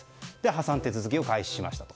破産手続きを開始しましたと。